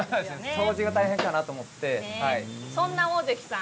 掃除が大変かなと思って。